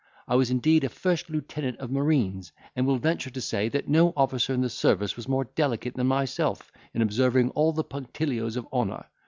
I was indeed a first lieutenant of marines, and will venture to say, that no officer in the service was more delicate than myself in observing all the punctilios of honour.